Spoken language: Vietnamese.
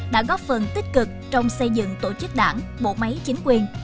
đã góp phần tích cực trong xây dựng tổ chức đảng bộ máy chính quyền